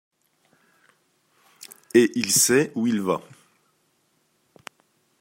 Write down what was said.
Et il sait où il va.